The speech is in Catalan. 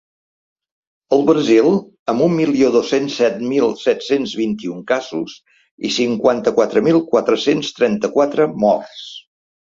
El Brasil, amb un milió dos-cents set mil set-cents vint-i-un casos i cinquanta-quatre mil quatre-cents trenta-quatre morts.